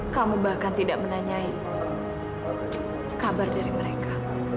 kamu bahkan tidak menanyai kabar dari mereka